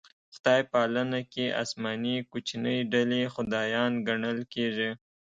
خدای پالنه کې اسماني کوچنۍ ډلې خدایان ګڼل کېږي.